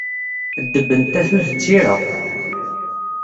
Ddeb n tatut d tira.